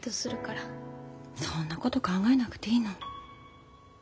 そんなこと考えなくていいの。